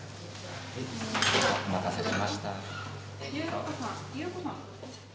お待たせしました。